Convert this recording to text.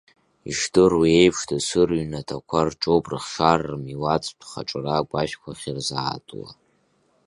Ишдыру еиԥш, дасу рыҩнаҭақәа рҿоуп рыхшара рмилаҭтә хаҿра агәашәқәа ахьырзаатуа.